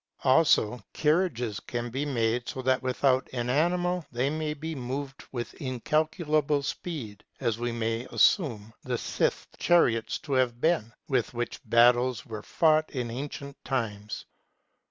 Also carriages can be made so that without an animal they may be moved with incalculable speed ; as we may assume the scythed chariots to have been, with which battles were fought in ancient times.